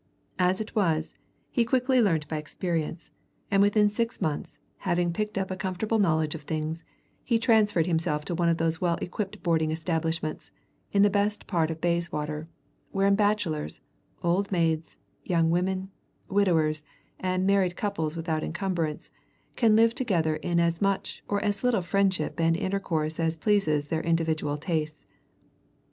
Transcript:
As it was, he quickly learnt by experience, and within six months, having picked up a comfortable knowledge of things, he transferred himself to one of those well equipped boarding establishments in the best part of Bayswater, wherein bachelors, old maids, young women, widowers, and married couples without encumbrance, can live together in as much or as little friendship and intercourse as pleases their individual tastes.